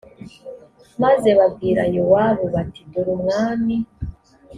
maze babwira yowabu bati dore umwami